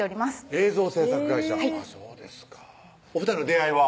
映像制作会社はいお２人の出会いは？